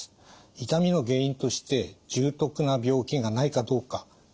痛みの原因として重篤な病気がないかどうかというチェックは必要です。